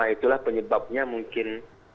lima itulah penyebabnya mungkin